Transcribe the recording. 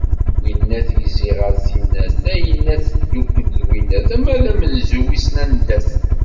Winnat yezzi ɣer tinnat, tayennat teddukel d winnat, ma d amenzu wisen anda-t.